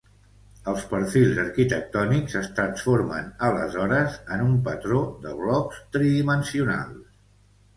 Els perfils arquitectònics es transformen aleshores en un patró de blocs tridimensionals.